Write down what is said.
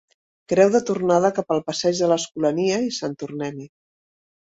Creu de tornada cap al passeig de l'Escolania i sant tornem-hi.